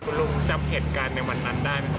คุณลุงจำเหตุการณ์ในวันนั้นได้ไหมครับ